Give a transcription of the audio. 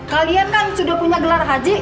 kalian kan sudah punya gelar haji